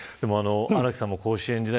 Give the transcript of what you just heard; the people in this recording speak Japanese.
荒木さんも甲子園時代